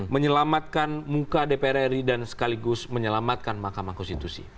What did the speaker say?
menyelamatkan muka dpr ri dan sekaligus menyelamatkan mahkamah konstitusi